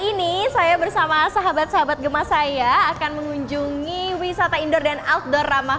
ini saya bersama sahabat sahabat gemas saya akan mengunjungi wisata indoor dan outdoor ramah